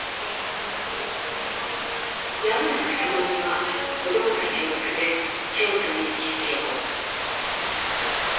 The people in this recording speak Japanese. やむなく玉美は子どもたちを連れ京都に帰郷。